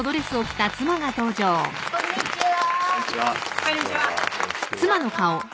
こんにちは